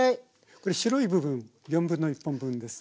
これ白い部分1/4本分ですね。